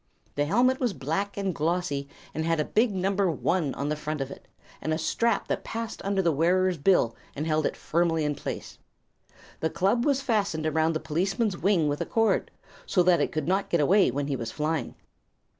The helmet was black and glossy and had a big number "1" on the front of it, and a strap that passed under the wearer's bill and held it firmly in place. The club was fastened around the policeman's wing with a cord, so that it could not get away when he was flying.